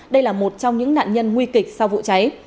đây là một trong những nạn nhân nguy kịch sau vụ cháy